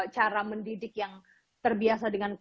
cara mendidik yang terbiasa dengan